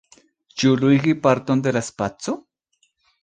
Ĉu luigi parton de la spaco?